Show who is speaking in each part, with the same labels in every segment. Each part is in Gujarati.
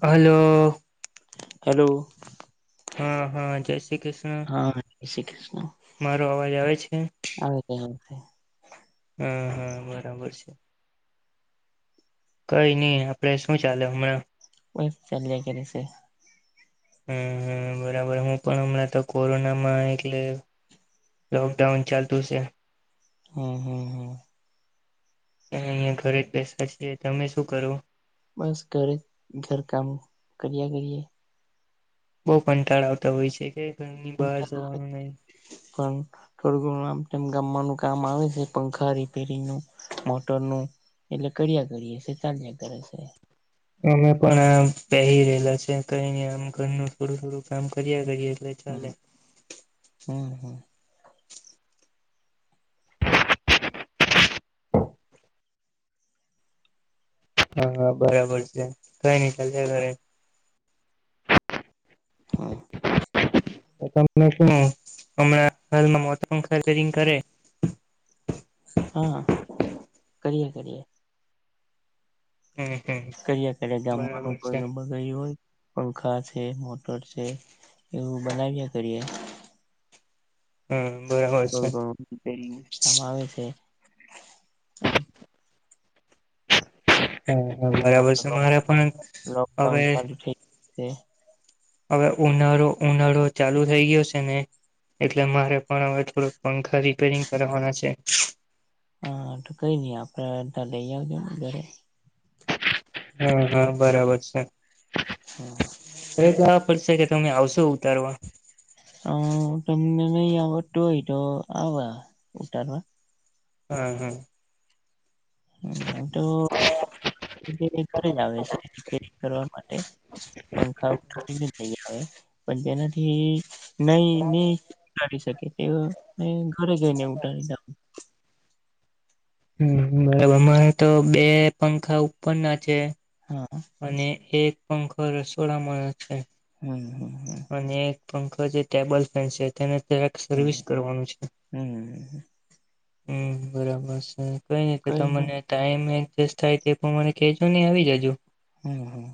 Speaker 1: હલો
Speaker 2: હેલો
Speaker 1: હા હા જય શ્રી કૃષ્ણ
Speaker 2: હા જય શ્રી કૃષ્ણ
Speaker 1: મારો અવાજ આવે છે
Speaker 2: હેલો [unintelligible]
Speaker 1: હા હા બરાબર છે કઈ નઈ આપડે શું ચાલે હમણાં
Speaker 2: બસ ચાલ્યા કરે છે
Speaker 1: હમ હમ બરાબર હું પણ હમણાં તો કોરોનામાં એટલે લોકડાઉન ચાલતું છે
Speaker 2: હમ હમ હ
Speaker 1: અહિયાં ઘરે જ બેસયા છીએ તમે શું કરો
Speaker 2: બસ ઘરે ઘર કામ કરિયા કરીએ
Speaker 1: બઉુ કંટાળો આવતો હોય છે કે ઘરની બહાર જવાનું નહી
Speaker 2: [unintelligible] પણ થોડું ઘણું આમ તેમ ગમવાનું કામ આવે છે પંખા રિપેરીંગ નું મોટરનું એટલે કર્યા કરીએ છે ચાલ્યા કરે છે
Speaker 1: અમે પણ આ બેહી રહેલા છે કઈ નઈ આમ ઘરનું થોડું થોડું કામ કર્યા કરીએ એટલે ચાલે
Speaker 2: હમ હમ હમ
Speaker 1: હા હા બરાબર છે કઈ નઈ ચાલ્યા કરે
Speaker 2: હા
Speaker 1: [unintelligible] હમણાં હાલમાં [unintelligible] કરે
Speaker 2: હા કરીયએ કરીયએ
Speaker 1: હમ હમ
Speaker 2: કરીએ કરીએ
Speaker 1: બરાબર
Speaker 2: ગામમાંનું
Speaker 1: છે
Speaker 2: કોઈ ન બગડ્યું હોય પણ પંખા છે મોટર છે એવું બનાવી્યા કરીએ
Speaker 1: હમ બરાબર છે
Speaker 2: થોડું ઘણું કામ આવે છે
Speaker 1: હ બરાબર
Speaker 2: હાલમાં
Speaker 1: છે મારે પણ હવે
Speaker 2: હ
Speaker 1: હવે ઉનાળો ઉનાળો ચાલુ થઈ ગયો છે ને એટલે મારે પણ હવે થોડક પંખા રિપેરિંગ કરવાના છે
Speaker 2: હા તો કઈ નઈ આપડે ત લઈ આવજોને ઘરે
Speaker 1: હા હા બરાબર છે એ જવા પડશે કે તમે આવશો ઉતારવા
Speaker 2: અ તમને નહી આવડતું હોય તો આવવા ઉતારવા
Speaker 1: હમ હમ
Speaker 2: હમ એમ તોું [unintelligible] આવે છે રીપેરીંગ કરવા માટે પંખા [unintelligible] પણ તેનાથી નહી ની કરી શકે તે ઘરે જઈને ઉડાડી ના
Speaker 1: હમ્મ હમ્મ બરાબર મારે તો બે પંખા ઉપર ના છે
Speaker 2: હા
Speaker 1: અને એક પંખો રસોડામા છે.
Speaker 2: હમ્મ હમ્મ હમ્મ
Speaker 1: અને એક પંખો જે ટેબલ ફેન છે તેને જરાક
Speaker 2: હમ
Speaker 1: સર્વિસ કરવાનું છે.
Speaker 2: હમ
Speaker 1: હમ્મ બરાબર છે કઈ ની તો તમને ટાઈમ એકજેસ થાય તે પ્રમાણે કેજો ની આવી જાજો
Speaker 2: હમ્મ હમ્મ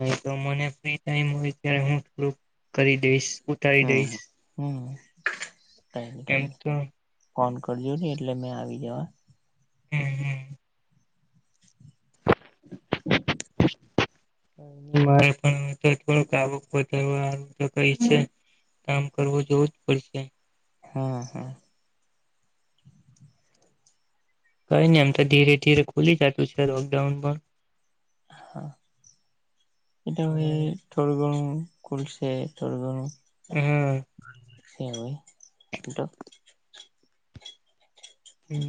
Speaker 1: હ તો મને ફ્રી ટાઈમ હોય ત્યારે હું થોડું કરી દઈશ. ઉતારી દઈશ
Speaker 2: હમ્મ હમ્મ કઈની
Speaker 1: એમ
Speaker 2: કઈની
Speaker 1: તો
Speaker 2: ફોન કરજો ને એટલે મેં આવી જવા
Speaker 1: હમ્મ હમ્મ મારે પણ તો થોડુંક આવુક વધારવા તો કઈ છે કામ કરવું જોવું જ પડશે.
Speaker 2: હા હા
Speaker 1: કઈ નહી આમ તો ધીરે ધીરે ખુલી જતું છે લોકડાઉન પણ
Speaker 2: હા એતો અવે
Speaker 1: પણ
Speaker 2: થોડું ગણું ખૂલસે થોડું ઘનું
Speaker 1: હમ્મ
Speaker 2: એ હોય એ તો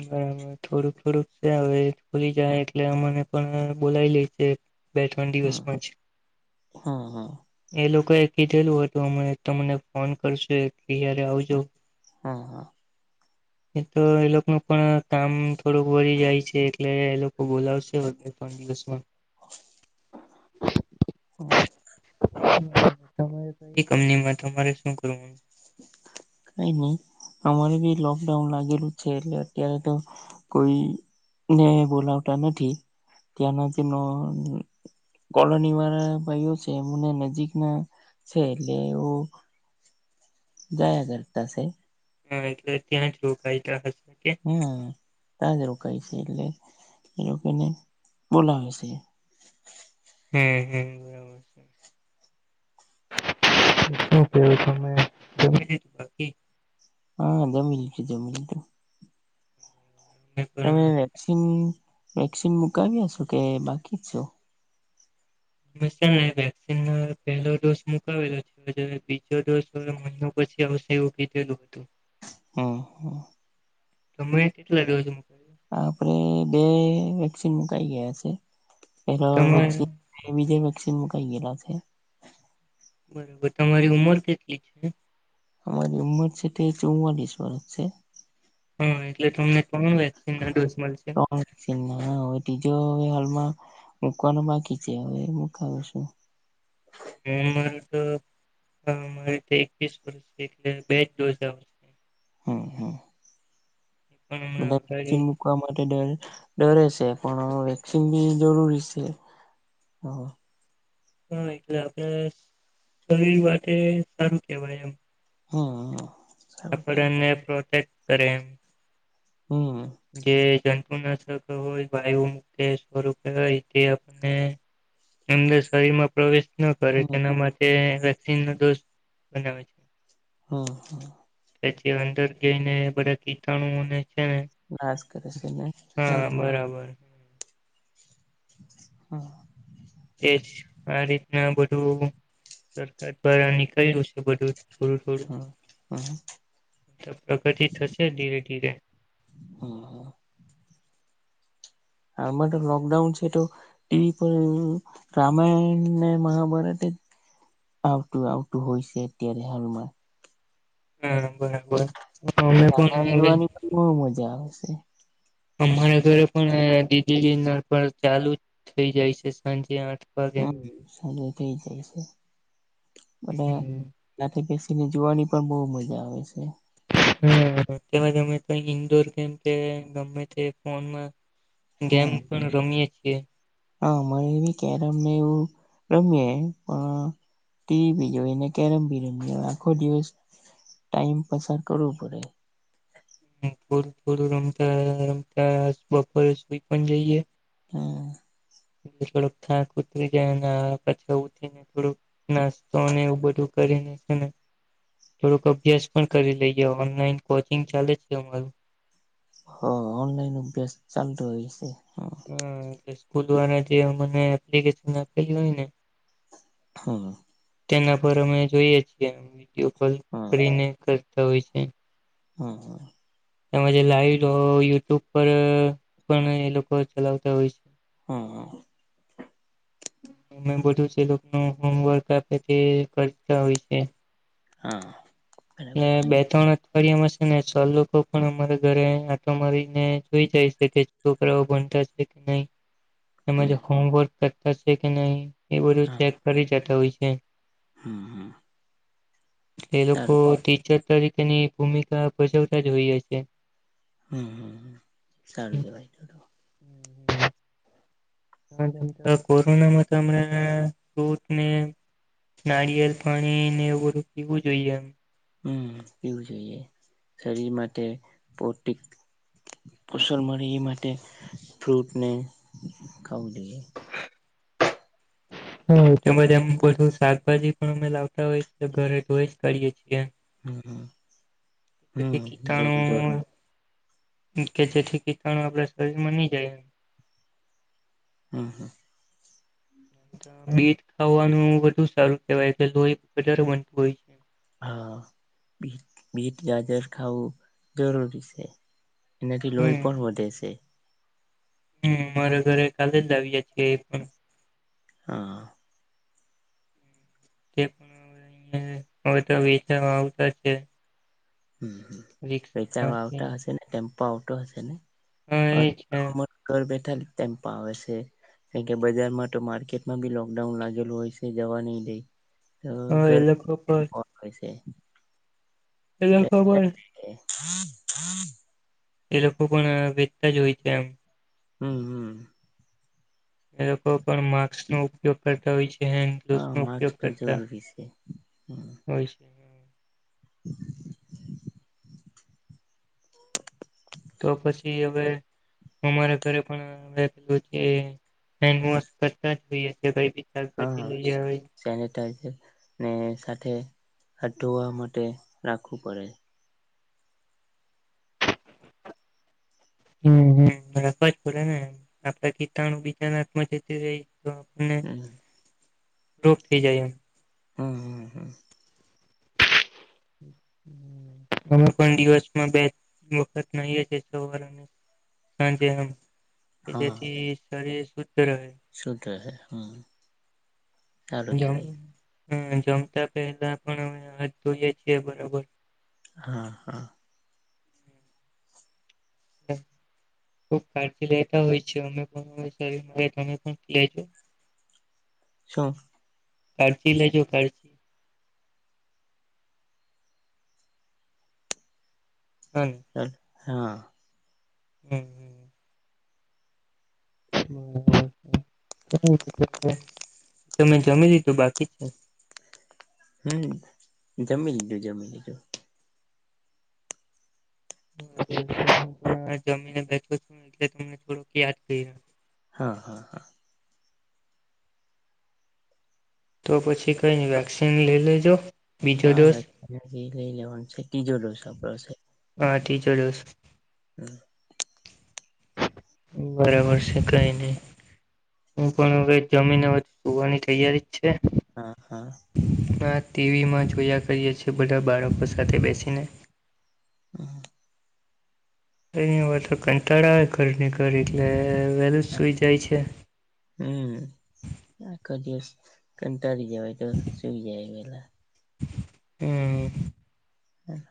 Speaker 1: બરાબર થોડુંક થોડુંક છે હવે ખોલી જાય એટલે અમને પણ બોલાવી લે છે બે ત્રણ
Speaker 2: હમ
Speaker 1: દિવસમાં
Speaker 2: હમ હમ
Speaker 1: એ લોકો કઈ કીધેલું હતું હમણે તમને ફોન કરશું એટ ત્યાંરે આવજો
Speaker 2: હા હા
Speaker 1: એ તો એ લોકો પણ કામ થોડુંક વરી જાય છે એટલે એ લોકો બોલાવશે બે ત્રણ દિવસમાં
Speaker 2: [inaudible]
Speaker 1: તમારે કઈ કંપનીમાં તમારે શું કરવું
Speaker 2: કઈ નહી અમને બી લોકડાઉન લાગેલું છે એટલે અત્યારે તો કોઈને બોલાવતા નથી ત્યાંનો જે કોલોની વાળા ભાઈઓ છે એમને નજીક ના છે એટલે એવુ જાય કરતાશે
Speaker 1: હા એટલે ત્યાં જ [unintelligible]
Speaker 2: હમ્મ તા જ રો કાઈ છે એટલે એવું કેને બોલાવેશે
Speaker 1: હમ્મ હમ્મ બરાબર છે. શું કેવ તમે જમી લીધું કે બાકી
Speaker 2: હા જમી લીધું જમી લીધું
Speaker 1: અમે પણ
Speaker 2: તમે વેક્સિન વેક્સિન મુકાવ્યા છો કે બાકી જ છો
Speaker 1: હ સર વેક્સિન ની પહેલો ડોઝ મુકાવલો છે બીજો ડોઝ મયનો પછી આવશે એવું કીધેલું હતું.
Speaker 2: હમ્મ હમ્મ
Speaker 1: તમે કેટલા [unintelligible]
Speaker 2: આપડે બે વેક્સિન મુકાઈ ગયા છે. પેલો
Speaker 1: તમારે
Speaker 2: વેક્સિન બીજા વેક્સિન મુકાઈ ગયેલા છે.
Speaker 1: બરોબર તમારી ઉમર કેટલી છે
Speaker 2: અમારી ઉંમર છે તે ચૌવાલીસ વર્ષ
Speaker 1: હા એટલે તમને ત્રણ વેક્સિનના ડોઝ મળશે
Speaker 2: છે [unintelligible] નાટી જો હાલમાં મૂકવાનું બાકી છે હવે મકાવ શું.
Speaker 1: [unintelligible] તો. [inaudible] મારે એકવીસ વર્ષ છે એટલે બે જ ડોઝ આવ
Speaker 2: હા હા.
Speaker 1: પણ હમણાં
Speaker 2: બધા વેક્સન
Speaker 1: અગાડી
Speaker 2: મુકવા માટે ડરે? ડરે છે પણ વેક્સિન બી જરૂરી છે. હા.
Speaker 1: હા એટલે આપડે વાતે સારું કેવાય એમ.
Speaker 2: હમ્મ.
Speaker 1: આપડેને પ્રોટેક કરે
Speaker 2: હમ
Speaker 1: જે ગ હમણાં જ [inaudible] હોય વાયુ મૂકે સ્વરૂપે હોય તે આપને અંદર શરીર માં પ્રવેશ કરે
Speaker 2: હમ
Speaker 1: તેના માટે વેક્સીન નો ડોઝ બનાવે છે.
Speaker 2: હમ્મ હમ્મ.
Speaker 1: પછી અંદર જઈને બધા કીટાણુઓને છે ને
Speaker 2: નાશ કરે છે ને સારું
Speaker 1: કરે.
Speaker 2: હા.
Speaker 1: એજ આ રીતના બધું સરકાર દ્વારા નીકળેયું છે બધું. થોડું થોડું
Speaker 2: હમ્મ હમ્મ.
Speaker 1: પ્રગતિ થશે ધીરે ધીરે.
Speaker 2: હમ આમાં તો લોકડાઉન છે તો ટીવી પર રામાયણને મહાભારત આઉ તું આઉ તું હોય શે અત્યારે હાલમા.
Speaker 1: હા બરાબર. અમે પણ
Speaker 2: રામાયણ
Speaker 1: હવે
Speaker 2: જોવાની પણ બહુ મજા આવે છે.
Speaker 1: અમારા ઘરે પણ દીદી ચાલુ જ થઈ જાય છે સાંજે આઠ વાગે
Speaker 2: હમ્મ, સારું થઈ જાય છે.
Speaker 1: હમ
Speaker 2: એમાં [unintelligible] એને જોવાની પણ બહુ મજા આવે છે.
Speaker 1: હમ્મ, હમે તો ઇન્ડોર ગેમ કે ગમે તે ફોનમાં ગેમ
Speaker 2: હા
Speaker 1: પણ રમીએે છીએ.
Speaker 2: હા મને એવી કે રમને એવું રમીએ પણ ટી ભી જોઈને કેરમ ભી રમએ આખો દિવસ ટાઈમ પસાર કરવું પડે.
Speaker 1: [inaudible] રમતા રમતા બપોરે સુઈ પણ જઈએ.
Speaker 2: હમ્મ.
Speaker 1: થોડક થાક ઉતરી જાય અને પછી ઉઠી ને થોડું નાસ્તો એવું બધું કરીને છે નેવું થોડોક અભ્યાસ પણ કરી લઈએ ઓનલાઈન કોચિંગ ચાલે છે અમારું.
Speaker 2: હા ઓનલાઈન અભ્યાસ ચાલતો હોય છે. હમ
Speaker 1: હા એટલે સ્કૂલ વાળા જે મને એપ્લિકેશન આપેલી હોય ને
Speaker 2: હા.
Speaker 1: તેના પર અમે જોઈએ છીએ. વિડીયો કોલ કરીને કરતા હોય છે.
Speaker 2: હમ્મ હમ્મ.
Speaker 1: તેમજ લાઈવ યુટ્યુબ પર પણ એ લોકો ચલાવતા હોય
Speaker 2: હા.
Speaker 1: અમે બધું લોકો ન હોમવર્ક આપે તે કરતા હોય છે.
Speaker 2: હા.
Speaker 1: એ
Speaker 2: બરાબર છે
Speaker 1: બે ત્રણ ફરિયા શે ને સર લોકો પણ અમારા ઘરે આટો મારીને જોઈ જાય છે કે છોકરાઓ છે કે નહી. એમાં જે
Speaker 2: હમ
Speaker 1: હોમવર્ક કરે છે કે નહી એ બધું ચેક કરી જતા હોય છે.
Speaker 2: હા. હા.
Speaker 1: એ લોકો ટીચર તરીકેની ભૂમિકા ભજવતા જ હોઈ છે.
Speaker 2: હમ સારું કેવય ભાઈ થોડું.
Speaker 1: હા કોરોનામાં તો હમણાં ફ્રુટ ને? નારીયેલ પાણી ને એ બધું પીવું જોઈએ એમ.
Speaker 2: હમ પીવું જોઈએ શરીર માટે પોસ્ટિક કેવાય. પાર્સલ મળી રે એ માટે ફ્રૂટને. ખાવું જોઈએ
Speaker 1: હમ એમાં બધી શાકભાજી પણ અમે લાવતા હોય છેએ ઘરે તો એજ કરીએ છીએ.
Speaker 2: હમ હમ હમ જોર જોર
Speaker 1: કીટાણું. કે જેથી કીટાણુ આપણા શરીર માં નહી જાય એ.
Speaker 2: હમ હા.
Speaker 1: બીટ ખાવાનું બૌ સારું કેવાય કે લોહી વધારે બનતું હોય છે.
Speaker 2: હા બીટ ગાજર ખાાવું જરૂરી છે. એનાથી લોહી
Speaker 1: હમ
Speaker 2: પણ વધે છે.
Speaker 1: હમ મારા ઘરે કાલે જ આવ્યા છી એ એ પણ.
Speaker 2: હા
Speaker 1: તે પણ આ બધા વેચવા આવતા હોય છે.
Speaker 2: હ બચવા
Speaker 1: રિક્ષામાંથી
Speaker 2: આવતા હશે ને ટેમપો આવ તો હશે ને?
Speaker 1: હા એ છે.
Speaker 2: ઘેર બેઠા ટેમ્પો આવે છે. કારણ કે બજારમાં તો માર્કેટમાં બી લોકડાઉન લાગેલું હોય છે જવા નહી દે. હ
Speaker 1: હા એ
Speaker 2: ગરમી
Speaker 1: લોકો
Speaker 2: પણ હોય છે.
Speaker 1: એને જ ખબર.
Speaker 2: હમ. હમ.
Speaker 1: એ લોકો પણ વેચતા જ હોય છે એમ.
Speaker 2: હમ હમ.
Speaker 1: એ લોકો પણ માસ્કનોઉપયોગ કરતા હોય છે. હેન્ડ ગ્લોવસ
Speaker 2: હા
Speaker 1: નો
Speaker 2: માસ્ક
Speaker 1: ઉપયોગ
Speaker 2: તો
Speaker 1: કરતાહશે.
Speaker 2: જરૂરી છે હમ
Speaker 1: હોય છે હ તો પછી હવે? અમારા ઘરે પણ કરતાએ. ચાઈ પતિ
Speaker 2: હા
Speaker 1: લિયાવે.
Speaker 2: સેનિટાઈઝર ને સાથે હાથ ધોવા માટે રાખવું પડે.
Speaker 1: હમ રાખવા જ પડે ને આપડા કીટણુ બીજાના હાથ માં જતી રહે.
Speaker 2: હમ
Speaker 1: લુપ્ત થઈ જાય એમ.
Speaker 2: હા હા હા
Speaker 1: અમે પણ દિવસમાં બે વખત નઈએ છીએ સવારને ને સાંજ. સાંજે આમ કે જેથી શરીર સ્વસ્થ રહે.
Speaker 2: સુ થશે એમ. સારું કેવાય.
Speaker 1: હમ જમતા પેલા પણ અમે હાથ ધો ઈએ છીએ બરોબર.
Speaker 2: હા હા
Speaker 1: હમ ખૂબ કાળજી લેતા હોઈ યે છીયે અમે તમે પણ લેજો.
Speaker 2: છો
Speaker 1: કારજી લેજો કરજી. હા
Speaker 2: હા
Speaker 1: હમ હમ હમ તમે જમી દીધું બાકી છે
Speaker 2: હમ જમી લીજું જમી લીજું
Speaker 1: જમીને બેઠો છું એટલે તમને થોડોક યાદ કર
Speaker 2: હા હા હા
Speaker 1: તો પછી કઈ ન વેક્સિન લઈ લેજો બીજો
Speaker 2: હા
Speaker 1: ડોઝ
Speaker 2: લઈ લેવાનું છે ત્રીજો રોસડો છે
Speaker 1: હા ી જઢ્યોસ
Speaker 2: હમ
Speaker 1: બરાબર છે કઈ નહી હું પણ હવે જમીન સુવાની તૈયારી જ છે
Speaker 2: હા હા
Speaker 1: ટીવી માં જોયા કરીએ છીએ બધા બાળકો સાથે બેસીને
Speaker 2: હમ હ
Speaker 1: ની વા તો કંટાળા આવે ઘરની ઘર એટલે વહેલું સુઈ જાય છે
Speaker 2: હમ આખો દિવસ કંટળી જવાય તો સુઈ જાય પેલા
Speaker 1: હમ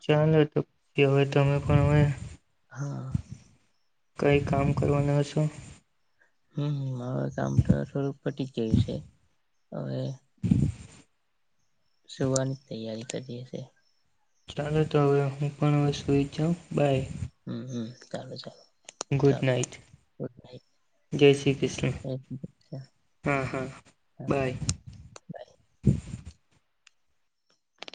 Speaker 1: ચલે તો કે હવે તમે પણ હવે
Speaker 2: હા
Speaker 1: કઈ કામ કરવાના હ છો
Speaker 2: હમ મારું કામ તો થોડુંક પટી જ ગયું છે હવે સુવાની તૈયારી કરીએ છે
Speaker 1: ચાલો તો હવે હું પણ વસ્ુઈચ જાઉં બાય
Speaker 2: હમ હ ચાલલે ચાલ
Speaker 1: ગુડ નાઇટ જય શ્રી કૃષ્ણ
Speaker 2: બાય
Speaker 1: હા હા બાય